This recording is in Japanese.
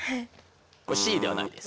これＣではないです。